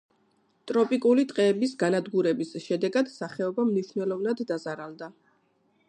ტროპიკული ტყეების განადგურების შედეგად სახეობა მნიშვნელოვნად დაზარალდა.